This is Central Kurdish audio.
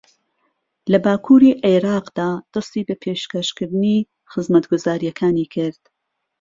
لە باکووری عێراقدا دەستی بە پێشەکەشکردنی خزمەتگوزارییەکانی کرد